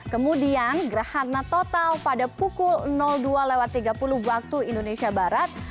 kemudian gerhana total pada pukul dua tiga puluh waktu indonesia barat